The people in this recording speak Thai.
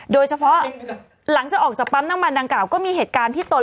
โดยเฉพาะหลังจากออกจากปั๊มน้ำมันดังกล่าวก็มีเหตุการณ์ที่ตน